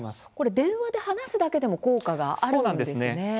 電話で話すだけでも効果があるんですね。